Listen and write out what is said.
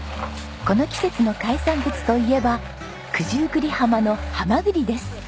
この季節の海産物といえば九十九里浜のハマグリです。